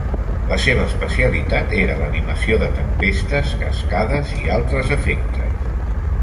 La seva especialitat era l'animació de tempestes, cascades i altres efectes.